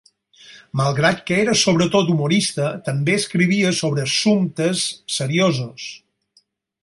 Malgrat que era sobretot humorista, també escrivia sobre assumptes seriosos.